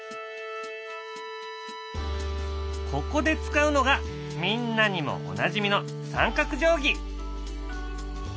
ここで使うのがみんなにもおなじみの三角定規！